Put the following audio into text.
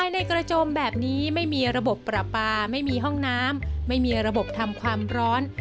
ในกระโจมแบบนี้ไม่มีระบบประปาไม่มีห้องน้ำไม่มีระบบทำความร้อน